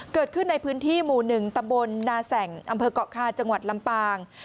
เกิดขึ้นในพื้นที่หมู่๑ตะบนนาแส่งอเกาะค่าจังหวัดลำปาง